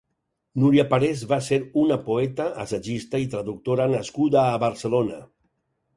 Nuria Parés va ser una poeta, assagista i traductora nascuda a Barcelona.